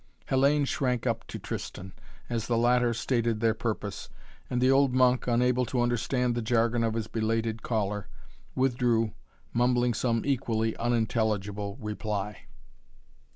Hellayne shrank up to Tristan, as the latter stated their purpose and the old monk, unable to understand the jargon of his belated caller, withdrew, mumbling some equally unintelligible reply.